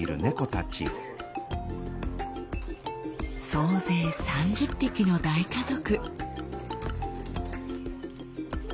総勢３０匹の大家族。